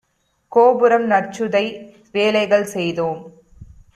கோபுரம் நற்சுதை வேலைகள் செய்தோம்